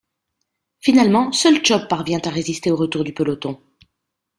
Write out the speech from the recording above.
Finalement, seul Tschopp parvient à résister au retour du peloton.